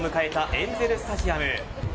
エンゼルスタジアム。